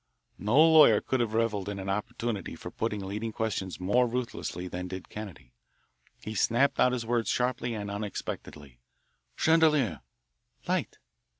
No lawyer could have revelled in an opportunity for putting leading questions more ruthlessly than did Kennedy. He snapped out his words sharply and unexpectedly. "Chandelier." "Light."